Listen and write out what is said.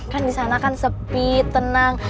kan disana kan sepit tenang